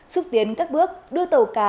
xúc tiến các bước đưa tàu cá